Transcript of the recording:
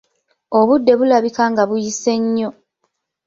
Obudde bulabika nga buyise nnyo!